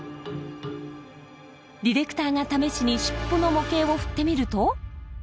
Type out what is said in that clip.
ディレクターが試しに尻尾の模型を振ってみると。